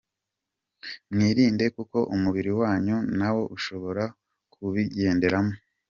Mwirinde kuko umubiri wanyu nawo ushobora kubigenderamo.